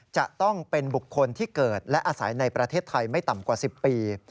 จะต้องเป็นบุคคลที่เกิดและอาศัยในประเทศไทยไม่ต่ำกว่า๑๐ปี